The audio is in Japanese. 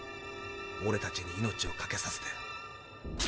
オレたちに命をかけさせて。